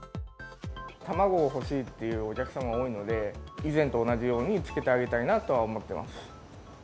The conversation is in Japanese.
卵を欲しいっていうお客様、多いので、以前と同じようにつけてあげたいなとは思ってます。